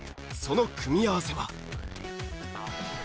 その組み合わせは。